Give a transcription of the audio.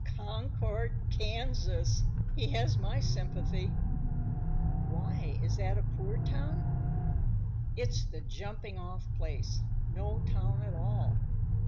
"Concord, Kansas. He has my sympathy!" "Why, is that a poor town?" "It's the jumping off place, no town at all.